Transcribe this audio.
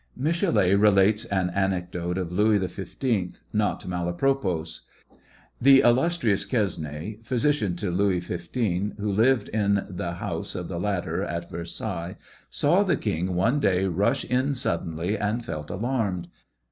Michelet relates an anecdote of Louis XV, not malapropos : The illustrious Quesney, physician to Louis XV, who lived in the house of the latter at Versailles, saw the king one day rush in suddenly, and felt alarmed.